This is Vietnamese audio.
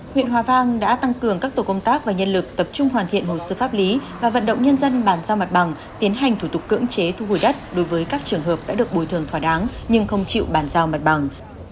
huyện hòa vang đã tăng cường các tổ công tác và nhân lực tập trung hoàn thiện hồ sơ pháp lý và vận động nhân dân bàn giao mặt bằng tiến hành thủ tục cưỡng chế thu hồi đất đối với các trường hợp đã được bồi thường thỏa đáng nhưng không chịu bàn giao mặt bằng